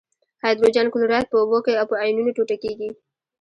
هایدروجن کلوراید په اوبو کې په آیونونو ټوټه کیږي.